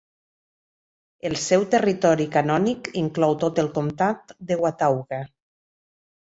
El seu territori canònic inclou tot el comptat de Watauga.